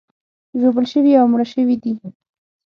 ژوبل شوي او مړه شوي دي.